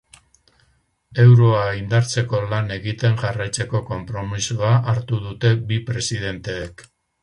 Euroa indartzeko lan egiten jarraitzeko konpromisoa hartu dute bi presidenteek.